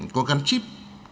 có căn chip